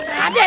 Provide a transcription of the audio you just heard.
ini buat raden